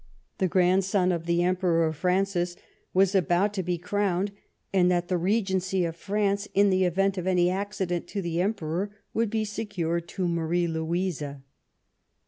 the grandson of the Emperor Francis, was about to be crowned, and that the Regency of France, in the event of any accident to the Emperor, would be secured to JMarie Louise.